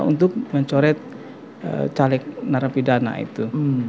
untuk mencoret caleg narapidana itu